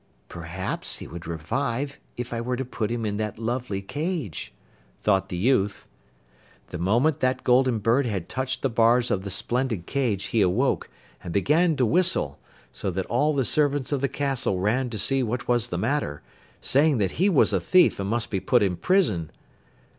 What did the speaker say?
'Perhaps he would revive if I were to put him in that lovely cage,' thought the youth. The moment that Golden Bird had touched the bars of the splendid cage he awoke, and began to whistle, so that all the servants of the castle ran to see what was the matter, saying that he was a thief and must be put in prison.